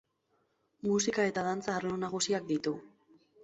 Musika eta dantza arlo nagusiak ditu.